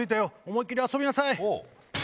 思いっ切り遊びなさい。